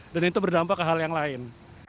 dan itu berdampak ke hal yang lain